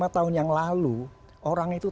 lima tahun yang lalu orang itu